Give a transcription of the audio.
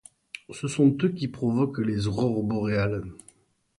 Ce sont eux qui provoque les aurores boréales.